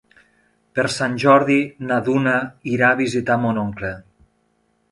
Per Sant Jordi na Duna irà a visitar mon oncle.